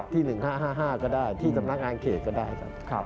ที่๑๕๕๕ก็ได้ที่สำนักงานเขตก็ได้ครับ